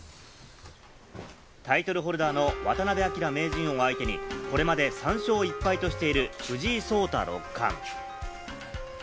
タイトルホルダーの渡辺明名人を相手にこれまで３勝１敗としている藤井聡太六冠。